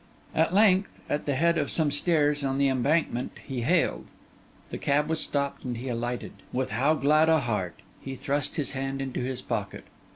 At length, at the head of some stairs on the Embankment, he hailed; the cab was stopped; and he alighted—with how glad a heart! He thrust his hand into his pocket.